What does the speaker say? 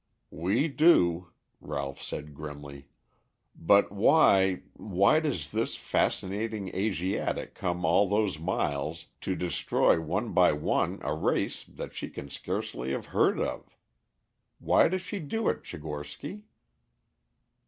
"We do," Ralph said grimly. "But why why does this fascinating Asiatic come all those miles to destroy one by one a race that she can scarcely have heard of? Why does she do it, Tchigorsky?"